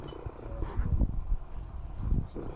此外草甘膦也可以抑制其他植物酶和动物酶的活性。